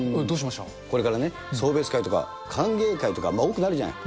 これからね、送別会とか歓迎会とか、多くなるじゃない。